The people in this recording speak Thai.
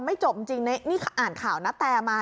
จบจริงนี่อ่านข่าวณแตมา